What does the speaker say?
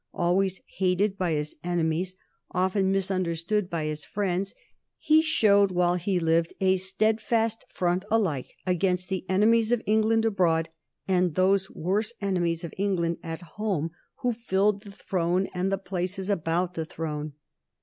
Always hated by his enemies, often misunderstood by his friends, he showed while he lived a steadfast front alike against the enemies of England abroad and those worse enemies of England at home who filled the throne and the places about the throne.